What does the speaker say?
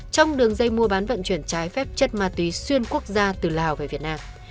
trong đường dây mua bán vận chuyển trái phép chất ma túy xuyên quốc gia từ lào về việt nam